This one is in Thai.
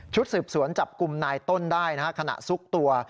สืบสวนจับกลุ่มนายต้นได้นะฮะขณะซุกตัว